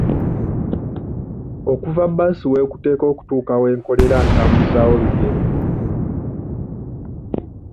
Okuva bbaasi w'ekuteeka okutuuka we nkolera ntambuzaawo bigere.